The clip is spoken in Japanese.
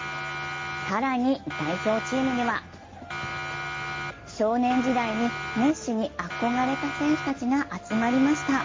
更に、代表チームには、少年時代にメッシに憧れた選手たちが集まりました。